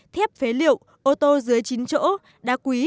thép phế liệu ô tô dưới chín chỗ đá quý